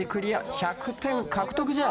１００点獲得じゃ。